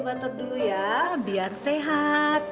mantut dulu ya biar sehat